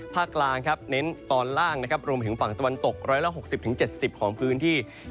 กลางครับเน้นตอนล่างนะครับรวมถึงฝั่งตะวันตก๑๖๐๗๐ของพื้นที่